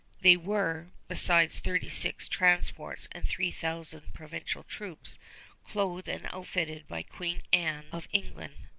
There were, besides, thirty six transports and three thousand provincial troops, clothed and outfitted by Queen Anne of England.